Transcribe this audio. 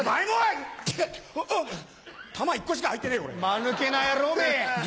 まぬけな野郎め！